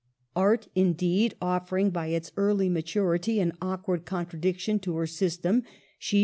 Art, indeed, offering, by its early maturity, an awkward contradiction to her system, she